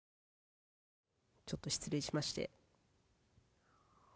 ちょっと失礼しまして。